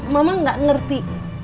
mama gak ngerti